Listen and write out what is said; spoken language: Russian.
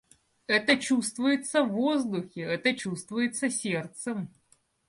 Это чувствуется в воздухе, это чувствуется сердцем.